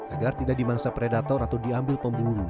agar tidak dimangsa predator atau diambil pemburu